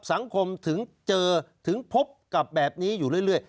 สังคมถึงเจอถึงพบกับแบบนี้อยู่เรื่อย